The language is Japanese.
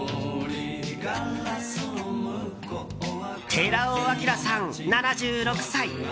寺尾聰さん、７６歳。